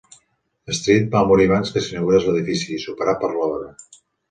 Street va morir abans que s'inaugurés l'edifici, superat per l'obra.